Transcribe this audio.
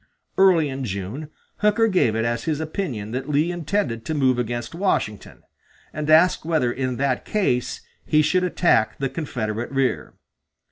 Early in June, Hooker gave it as his opinion that Lee intended to move against Washington, and asked whether in that case he should attack the Confederate rear.